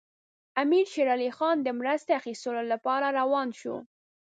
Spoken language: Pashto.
امیر شېر علي خان د مرستې اخیستلو لپاره روان شو.